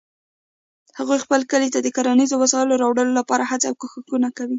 هغوی خپل کلي ته د کرنیزو وسایلو راوړلو لپاره هڅې او کوښښونه کوي